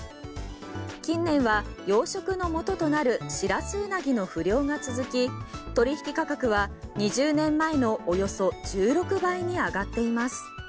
近年は養殖のもととなるシラスウナギの不漁が続き取引価格は２０年前のおよそ１６倍に上がっています。